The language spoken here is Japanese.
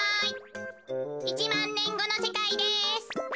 １まんねんごのせかいです。